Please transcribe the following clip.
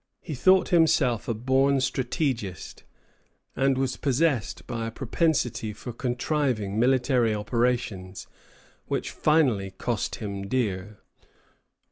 He thought himself a born strategist, and was possessed by a propensity for contriving military operations, which finally cost him dear.